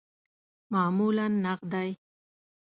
معمولاً نغدی